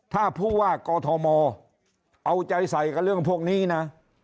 ถ้าผู้ว่ากอทมเอาใจใส่กับเรื่องพวกนี้นะ